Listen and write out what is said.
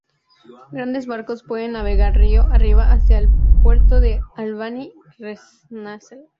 Grandes barcos pueden navegar río arriba hacia el puerto de Albany-Rensselaer.